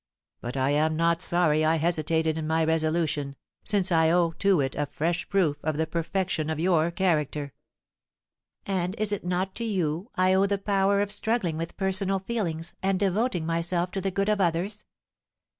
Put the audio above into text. But I am not sorry I hesitated in my resolution, since I owe to it a fresh proof of the perfection of your character." "And is it not to you I owe the power of struggling with personal feelings and devoting myself to the good of others?